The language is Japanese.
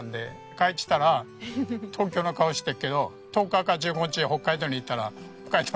帰ってきたら東京の顔してるけど１０日か１５日北海道にいたら北海道の田舎の顔になるよ。